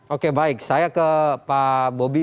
oke baik saya ke pak bobi